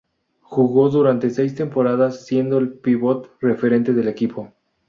Jugó durante seis temporadas siendo el pívot referente del equipo.